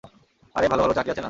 আরো ভালো ভালো চাকরি আছে না।